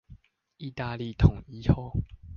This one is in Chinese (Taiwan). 義大利統一後